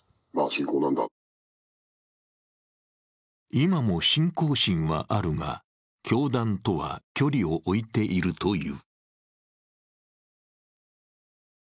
今も信仰心はあるが教団とは距離を置いているという。